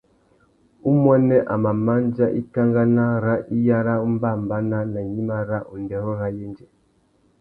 Umuênê a mà mándjá ikankana râ iyara umbámbànà nà gnïmá râ undêrô râ yêndzê.